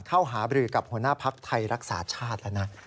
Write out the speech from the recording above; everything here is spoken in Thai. เข้าหาบรือกับหัวหน้าภักดิ์ไทยรักษาชาติแล้วนะ